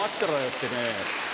ってね